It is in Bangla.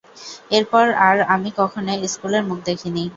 এরপর আর আমি কখনো স্কুলের মুখ দেখিনি।